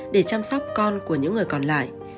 để chăm sóc con của những người còn lại